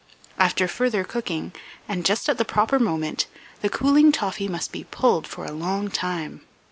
After further cooking, and just at the proper moment, the cooling toffee must be pulled for a long time.